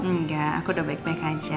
enggak aku udah baik baik aja